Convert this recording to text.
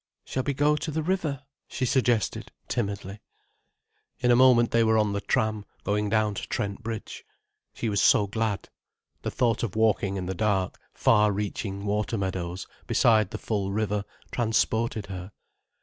"Shall we go to the river?" she suggested, timidly. In a moment they were on the tram, going down to Trent Bridge. She was so glad. The thought of walking in the dark, far reaching water meadows, beside the full river, transported her.